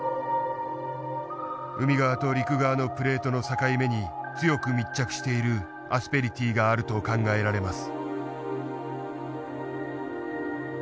海側と陸側のプレートの境目に強く密着しているアスペリティーがあると考えられます。